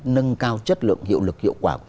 nâng cao chất lượng hiệu lực hiệu quả